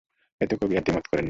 এতে কবি আর দ্বিমত করেন নি।